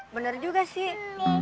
bener juga sih